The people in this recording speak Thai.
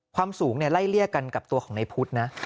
ความสูงไล่เลี่ยกันกับตัวของในพุทธนะ